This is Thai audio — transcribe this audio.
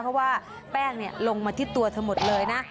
เพราะว่าแป้งลงมาที่ตัวเธอหมดเลยนะ